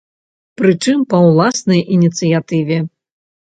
Прычым, па ўласнай ініцыятыве.